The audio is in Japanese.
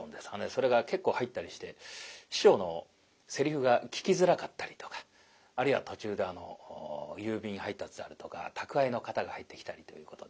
それが結構入ったりして師匠のセリフが聞きづらかったりとかあるいは途中で郵便配達であるとか宅配の方が入ってきたりということで。